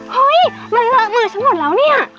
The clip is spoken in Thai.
เฮ้ยมันเลอะมือฉันหมดแล้วเนี่ย